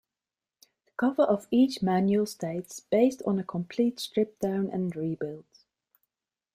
The cover of each manual states: "based on a complete stripdown and rebuild".